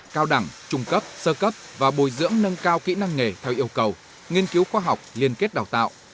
cao đẳng trung cấp sơ cấp và bồi dưỡng nâng cao kỹ năng nghề theo yêu cầu nghiên cứu khoa học liên kết đào tạo